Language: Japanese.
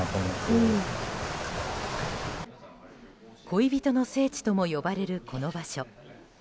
恋人の聖地とも呼ばれるこの場所。